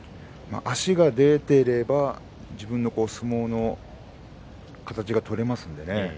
足が出ていれば自分の相撲の形が取れますよね。